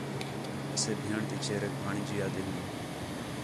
اسے بھیݨ تی چھیریک بھاڑین٘جی آہدے ہوں